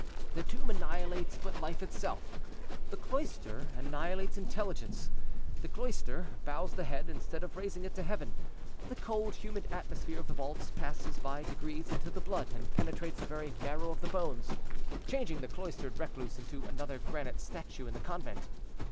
The tomb annihilates but life itself, the cloister annihilates intelligence; the cloister bows the head, instead of raising it to heaven; the cold, humid atmosphere of the vaults passes by degrees into the blood, and penetrates the very marrow of the bones, changing the cloistered recluse into another granite statue in the convent.